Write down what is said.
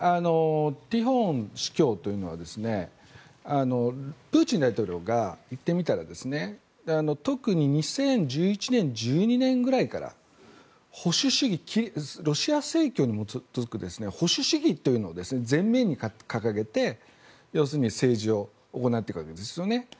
ティホン司教というのはプーチン大統領が言ってみたら特に２０１１年１２年くらい前からロシア正教に基づく保守主義というのを前面に掲げて、要するに政治を行っていったわけですよね。